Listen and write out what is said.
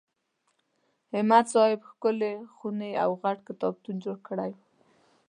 همت صاحب ښکلې خونې او غټ کتابتون جوړ کړی و.